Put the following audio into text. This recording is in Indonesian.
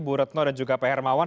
bu retno dan juga pak hermawan